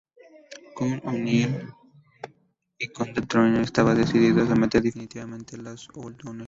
Conn O'Neill, I conde de Tyrone estaba decidido a someter definitivamente a los O'Donnell.